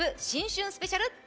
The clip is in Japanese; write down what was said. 新春スペシャル」